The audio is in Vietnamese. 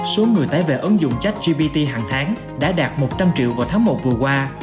số người tái vệ ứng dụng chat gpt hằng tháng đã đạt một trăm linh triệu vào tháng một vừa qua